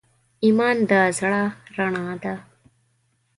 ایمان د زړه رڼا ده.